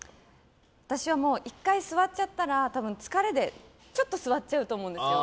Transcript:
私はもう１回座っちゃったら多分、疲れで座っちゃうと思うんですよ。